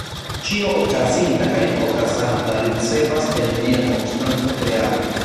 Ĉio okazinta kaj okazanta ricevas el lia konstanta kreado.